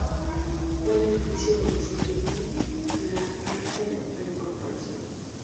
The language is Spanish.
Fue el edificio donde se firmo la Acta de Reincorporación.